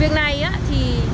việc này thì